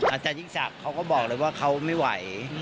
อาจารยิ่งศักดิ์เขาก็บอกเลยว่าเขาไม่ไหว